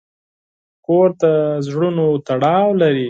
کور د زړونو تړاو لري.